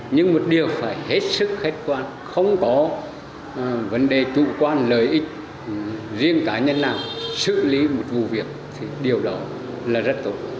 nhưng một điều phải hết sức khách quan không có vấn đề chủ quan lợi ích riêng cá nhân nào xử lý một vụ việc thì điều đó là rất tốt